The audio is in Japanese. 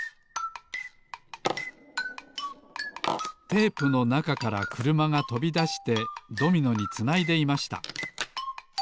テープのなかからくるまがとびだしてドミノにつないでいました